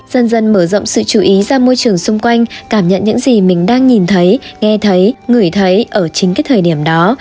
dần dần mở rộng sự chú ý ra môi trường xung quanh cảm nhận những gì mình đang nhìn thấy nghe thấy ngửi thấy ở chính cái thời điểm đó